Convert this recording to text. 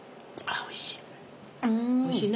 あおいしい。